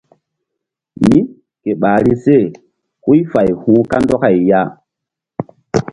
Mí ke ɓahri se huy fay hu̧h kandɔkay ya.